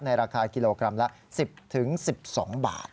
ราคากิโลกรัมละ๑๐๑๒บาท